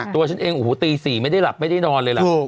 ตัวฉันเองตี๔ไม่ได้หลับไม่ได้นอนเลยแหละ